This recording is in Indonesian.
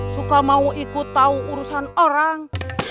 suka mau ikut tahu urusan orang